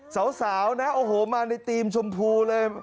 สาวนะโอ้โหมาในธีมชมพูเลย